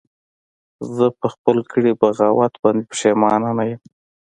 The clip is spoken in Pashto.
زه په خپل کړي بغاوت باندې پښیمانه نه یم